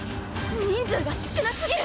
人数が少なすぎる！